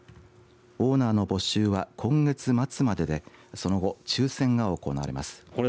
オーナーの募集は今月末まででその後、抽せんが行われます。